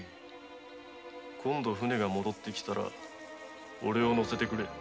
今度船が戻ってきたらおれを乗せてくれ。